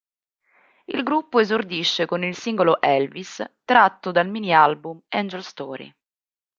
Il gruppo esordisce con il singolo "Elvis", tratto dal mini album "Angels' Story".